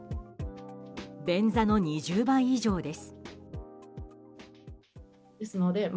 便座の２０倍以上です。